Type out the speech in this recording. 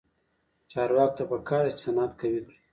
چارواکو ته پکار ده چې، صنعت قوي کړي.